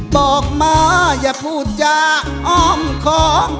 บอกมาอย่าพูดจาอ้อมของ